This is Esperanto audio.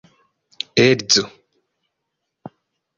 edzo